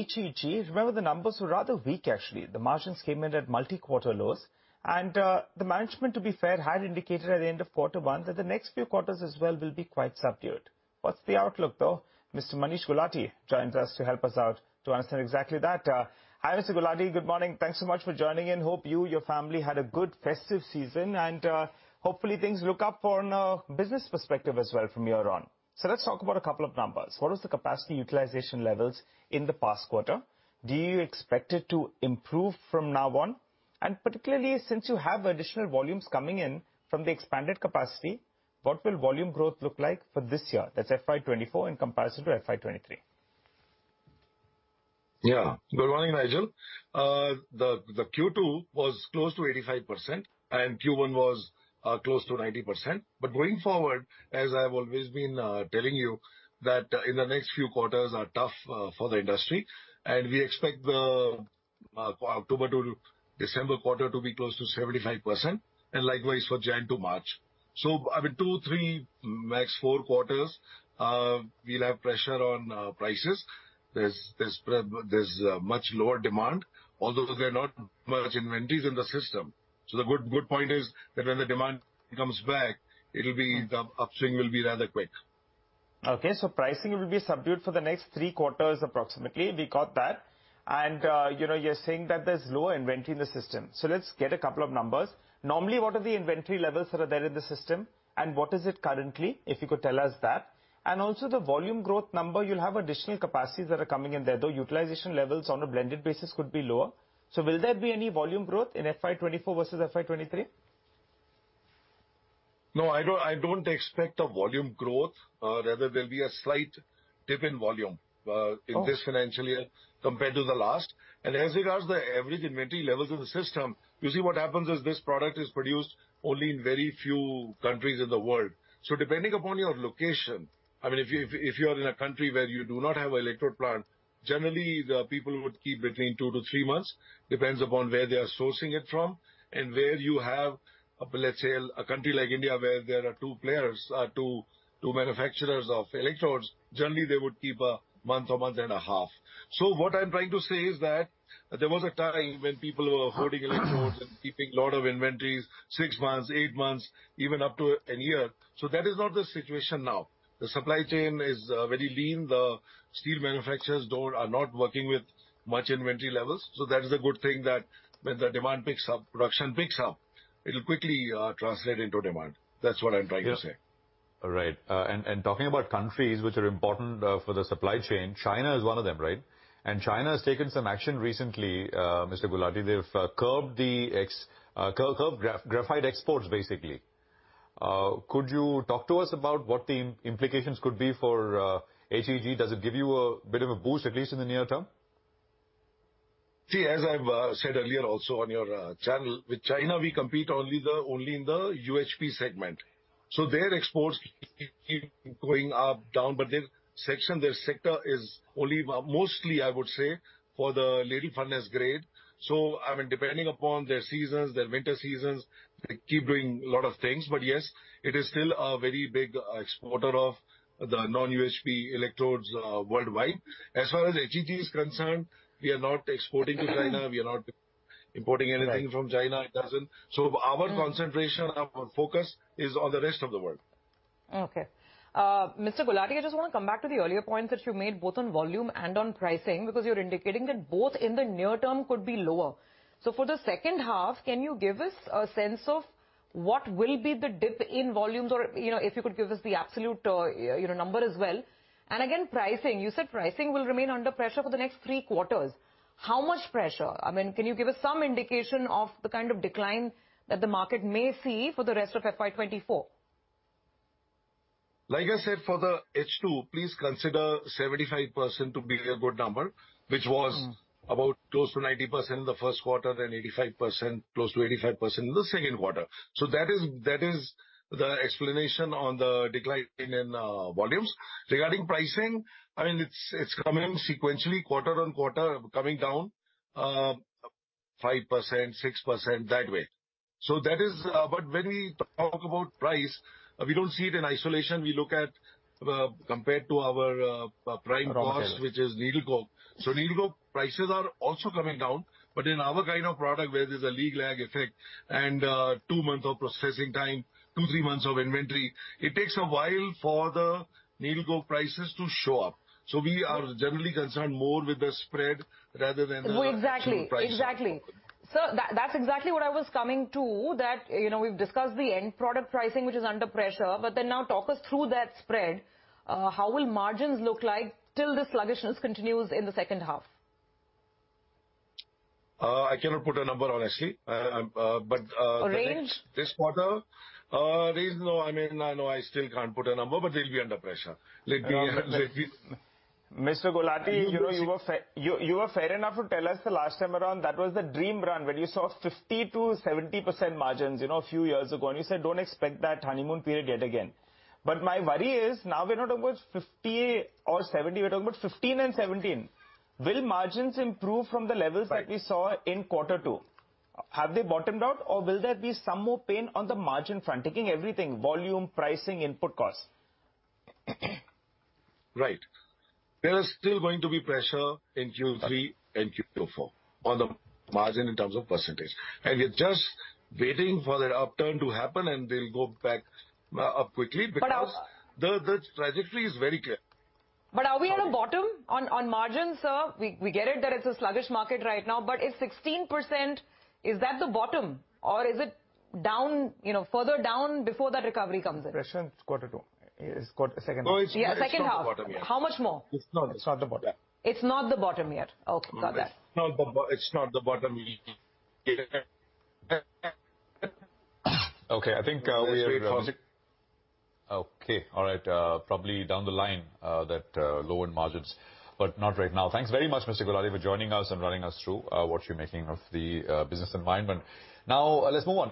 HEG, remember, the numbers were rather weak, actually. The margins came in at multi-quarter lows, and the management, to be fair, had indicated at the end of quarter one that the next few quarters as well will be quite subdued. What's the outlook, though? Mr. Manish Gulati joins us to help us out to understand exactly that. Hi, Mr. Gulati. Good morning. Thanks so much for joining in. Hope you, your family, had a good festive season, and hopefully things look up from a business perspective as well from here on. So let's talk about a couple of numbers. What is the capacity utilization levels in the past quarter? Do you expect it to improve from now on? And particularly, since you have additional volumes coming in from the expanded capacity, what will volume growth look like for this year? That's FY 2024 in comparison to FY 2023. Yeah. Good morning, Nigel. The Q2 was close to 85%, and Q1 was close to 90%. But going forward, as I've always been telling you, that in the next few quarters are tough for the industry, and we expect the October to December quarter to be close to 75%, and likewise for January to March. So, I mean, two, three, max four quarters, we'll have pressure on prices. There's much lower demand, although there are not much inventories in the system. So the good point is that when the demand comes back, it'll be, the upswing will be rather quick. Okay, so pricing will be subdued for the next three quarters, approximately. We got that. And, you know, you're saying that there's low inventory in the system. So let's get a couple of numbers. Normally, what are the inventory levels that are there in the system, and what is it currently, if you could tell us that? And also the volume growth number, you'll have additional capacities that are coming in there, though utilization levels on a blended basis could be lower. So will there be any volume growth in FY 2024 versus FY 2023? No, I don't, I don't expect a volume growth. Rather, there'll be a slight dip in volume, Oh. In this financial year compared to the last. As regards the average inventory levels of the system, you see what happens is this product is produced only in very few countries in the world. So depending upon your location, I mean, if you, if you are in a country where you do not have an electrode plant, generally, the people would keep between two to three months, depends upon where they are sourcing it from. And where you have, let's say, a country like India, where there are two players, two, two manufacturers of electrodes, generally, they would keep a month or month and a half. So what I'm trying to say is that there was a time when people were hoarding electrodes and keeping a lot of inventories, six months, eight months, even up to a year. So that is not the situation now. The supply chain is very lean. The steel manufacturers are not working with much inventory levels, so that is a good thing, that when the demand picks up, production picks up. It'll quickly translate into demand. That's what I'm trying to say. Yeah. All right. And talking about countries which are important for the supply chain, China is one of them, right? And China has taken some action recently, Mr. Gulati. They've curbed graphite exports, basically. Could you talk to us about what the implications could be for HEG? Does it give you a bit of a boost, at least in the near term? See, as I've said earlier also on your channel, with China, we compete only, only in the UHP segment. So their exports keep going up, down, but their sector is only, mostly, I would say, for the Ladle Furnace grade. So, I mean, depending upon their seasons, their winter seasons, they keep doing a lot of things, but yes, it is still a very big exporter of the non-UHP electrodes worldwide. As far as HEG is concerned, we are not exporting to China. We are not importing anything. Right. From China. It doesn't. So our concentration. Mm. And our focus is on the rest of the world. Okay. Mr. Gulati, I just want to come back to the earlier point that you made, both on volume and on pricing, because you're indicating that both in the near term could be lower. So for the second half, can you give us a sense of what will be the dip in volumes or, you know, if you could give us the absolute, you know, number as well? And again, pricing. You said pricing will remain under pressure for the next three quarters. How much pressure? I mean, can you give us some indication of the kind of decline that the market may see for the rest of FY 2024? Like I said, for the H2, please consider 75% to be a good number. Mm. Which was about close to 90% in the first quarter and 85%, close to 85% in the second quarter. So that is, that is the explanation on the decline in volumes. Regarding pricing, I mean, it's coming in sequentially, quarter-on-quarter, coming down 5%, 6%, that way. So that is, but when we talk about price, we don't see it in isolation. We look at compared to our prime cost. Raw material. Which is needle coke. So needle coke prices are also coming down, but in our kind of product, where there's a lead-lag effect and two months of processing time, two to three months of inventory, it takes a while for the needle coke prices to show up. So we are generally concerned more with the spread rather than the. Well, exactly. Prime prices. Exactly. Sir, that's exactly what I was coming to, that, you know, we've discussed the end product pricing, which is under pressure, but then now talk us through that spread. How will margins look like till this sluggishness continues in the second half? I cannot put a number, honestly. But. A range? This quarter, range, no, I mean, no, I still can't put a number, but they'll be under pressure. Let me, let me. Mr. Gulati. You, you. You know, you were fair enough to tell us the last time around, that was the dream run, when you saw 50%-70% margins, you know, a few years ago, and you said: Don't expect that honeymoon period yet again. But my worry is, now we're not talking about 50% or 70%, we're talking about 15% and 17%. Will margins improve from the levels that we saw. Right. In quarter two? Have they bottomed out, or will there be some more pain on the margin front, taking everything, volume, pricing, input costs? Right. There is still going to be pressure in Q3 and Q4 on the margin in terms of percentage. And we're just waiting for that upturn to happen, and they'll go back quickly. But are. Because the trajectory is very clear. But are we on a bottom on margins, sir? We get it that it's a sluggish market right now, but is 16%, is that the bottom, or is it down, you know, further down before that recovery comes in? Pressure in quarter two, second half. Oh, it's. Yeah, second half. It's not the bottom yet. How much more? No, it's not the bottom. It's not the bottom yet. Okay, got that. It's not the bottom yet. Okay, I think. Let's wait for. Okay. All right, probably down the line, lower margins, but not right now. Thanks very much, Mr. Gulati, for joining us and running us through what you're making of the business environment. Now, let's move on.